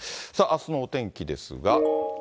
あすのお天気ですが。